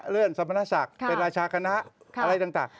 สมณศักดิ์เป็นราชาคณะอะไรต่าง